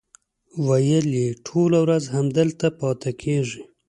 ویل یې ټوله ورځ همدلته پاتې کېږي.